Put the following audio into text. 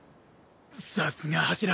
さすが柱。